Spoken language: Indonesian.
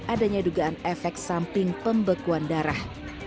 adanya dugaan efek samping pembekuan darah